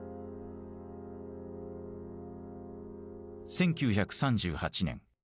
１９３８年。